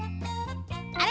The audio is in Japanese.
あれ？